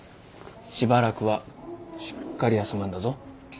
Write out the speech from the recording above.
しばらくはしっかり休むんだぞ。